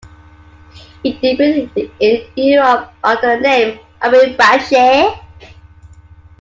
It debuted in Europe under the name, "Ombre bianche".